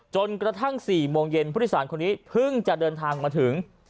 จนกระทั่ง๔โมงเย็นผู้โดยสารคนนี้เพิ่งจะเดินทางมาถึง